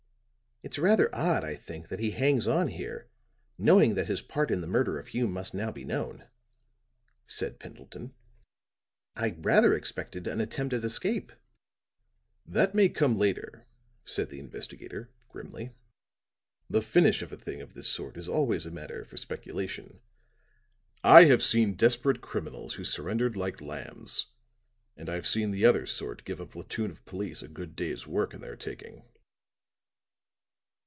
"It's rather odd, I think, that he hangs on here, knowing that his part in the murder of Hume must now be known," said Pendleton. "I rather expected an attempt at escape." "That may come later," said the investigator, grimly. "The finish of a thing of this sort is always a matter for speculation. I have seen desperate criminals who surrendered like lambs; and I've seen the other sort give a platoon of police a good day's work in their taking."